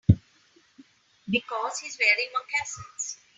Because he's wearing moccasins.